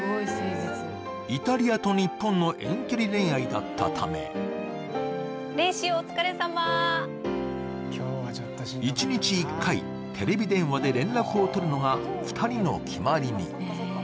イタリアと日本の遠距離恋愛だったため練習お疲れさま一日１回、テレビ電話で連絡を取るのが２人の決まりに。